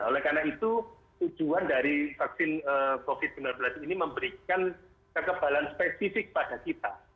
oleh karena itu tujuan dari vaksin covid sembilan belas ini memberikan kekebalan spesifik pada kita